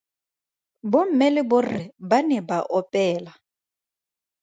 Bomme le borre ba ne ba opela.